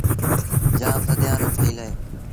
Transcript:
جآم سديآن رو ٺهيٚل اهي۔